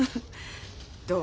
どう？